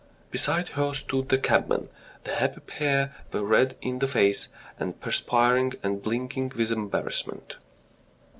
Beside her stood the cabman. The happy pair were red in the face and perspiring and blinking with embarrassment.